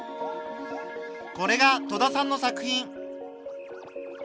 これが戸田さんの作品。